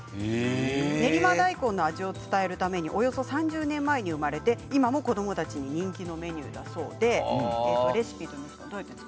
練馬大根の味を伝えるためにおよそ３０年前に生まれて今も子どもたちに人気のメニューだそうです。